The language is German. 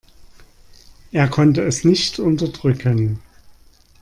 Er konnte es nicht unterdrücken.